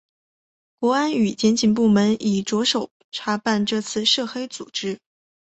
国安与检警部门已着手查办这些涉黑组织。